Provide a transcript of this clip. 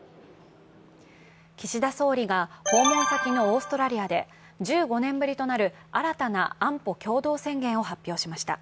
岸田総理が訪問先のオーストラリアで１５年ぶりとなる新たな安保共同宣言を発表しました。